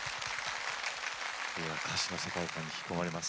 歌詞の世界観に引き込まれます。